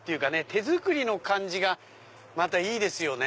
手作りの感じがまたいいですよね。